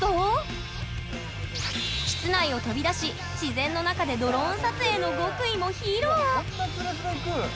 室内を飛び出し自然の中でドローン撮影の極意も披露！